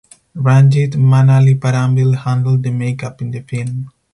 Ranjit Manaliparambil handled the makeup in the film.